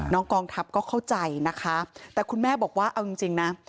กองทัพก็เข้าใจนะคะแต่คุณแม่บอกว่าเอาจริงนะ